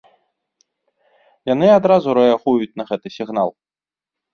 Яны адразу рэагуюць на гэты сігнал.